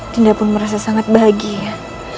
dinda pun merasa sangat bahagia